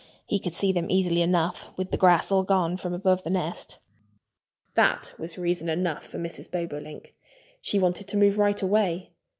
He could see them easily enough, with the grass all gone from above the nest." That was reason enough for Mrs. Bobolink. She wanted to move right away.